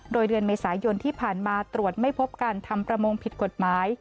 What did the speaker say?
โดยเดือนเมษายนที่ผ่านมาตรวจไม่พบการทำประมงผิดกฎหมาย